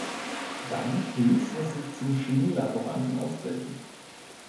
Dann ließ er sich zum Chemielaboranten ausbilden.